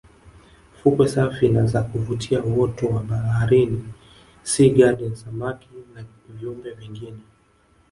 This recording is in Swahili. Fukwe safi na za kuvutia uoto wa baharini sea gardens samaki na viumbe wengine